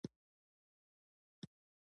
د موضوع خوند کموي او خسته کوونکې جنبه ورکوي.